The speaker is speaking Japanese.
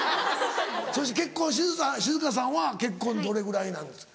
そして静さんは結婚どれぐらいなんですか？